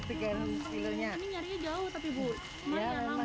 ini nyarinya jauh tapi bu harganya lama